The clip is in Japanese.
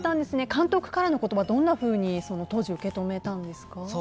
監督からの言葉どんなふうに当時は受け止めたんですか？